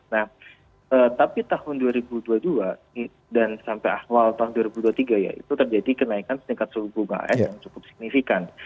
nah tapi tahun dua ribu dua puluh dua dan sampai awal tahun dua ribu dua puluh tiga ya itu terjadi kenaikan tingkat suku bunga as yang cukup signifikan